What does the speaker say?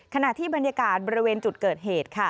ขณะที่บรรยากาศบริเวณจุดเกิดเหตุค่ะ